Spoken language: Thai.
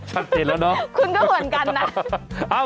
ชัดเจนแล้วเนอะคุณก็เหมือนกันนะ